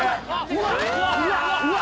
うわ。